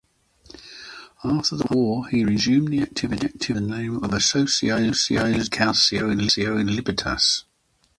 After the war he resumed the activity with the name of Associazione Calcio Libertas.